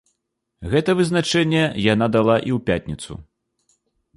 Гэта вызначэнне яна дала і ў пятніцу.